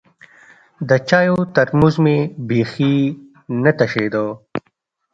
د چايو ترموز مې بيخي نه تشېده.